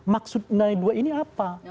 maksudnya dua ini apa